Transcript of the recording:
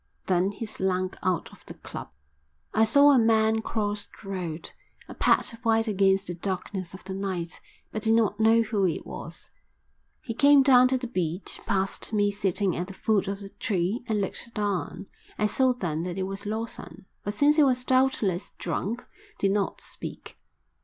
Then he slunk out of the club. I saw a man cross the road, a patch of white against the darkness of the night, but did not know who it was. He came down to the beach, passed me sitting at the foot of the tree, and looked down. I saw then that it was Lawson, but since he was doubtless drunk, did not speak.